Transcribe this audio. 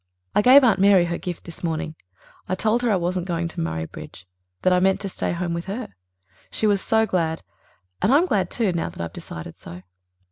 "I gave Aunt Mary her gift this morning. I told her I wasn't going to Murraybridge, that I just meant to stay home with her. She was so glad and I'm glad, too, now that I've decided so."